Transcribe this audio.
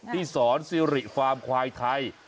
ที่สอนซิริฟาร์มควายไทย